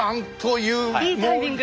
いいタイミング。